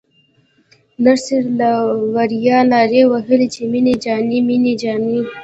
نرسې له ورايه نارې وهلې چې مينه جانې مينه جانې.